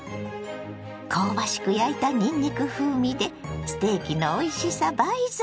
香ばしく焼いたにんにく風味でステーキのおいしさ倍増！